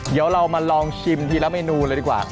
เดี๋ยวเรามาลองชิมทีละเมนูเลยดีกว่า